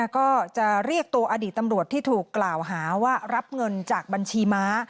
ก็จะเรียกตัวอดีตตำรวจที่ถูกกล่าวหาว่ารับเงินจากบัญชีม้า